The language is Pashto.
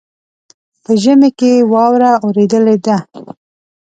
په ژمي کې واوره اوریدلې ده.